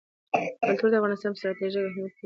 کلتور د افغانستان په ستراتیژیک اهمیت کې رول لري.